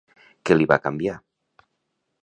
Què li va canviar?